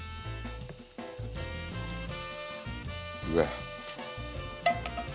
うわ。